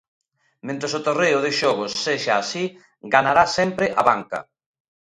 Mentres o terreo de xogo sexa así, ganará sempre a banca.